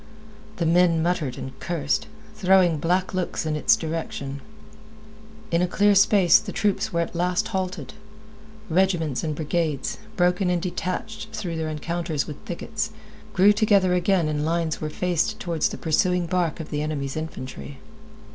The men muttered and cursed, throwing black looks in its direction. In a clear space the troops were at last halted. Regiments and brigades, broken and detached through their encounters with thickets, grew together again and lines were faced toward the pursuing bark of the enemy's infantry.